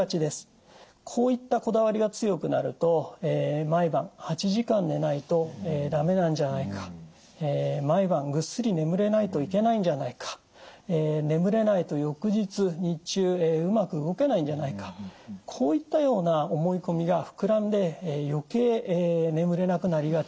こういったこだわりが強くなると毎晩８時間寝ないと駄目なんじゃないか毎晩ぐっすり眠れないといけないんじゃないか眠れないと翌日日中うまく動けないんじゃないかこういったような思い込みが膨らんで余計眠れなくなりがちなんです。